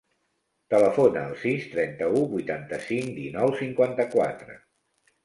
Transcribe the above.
Telefona al sis, trenta-u, vuitanta-cinc, dinou, cinquanta-quatre.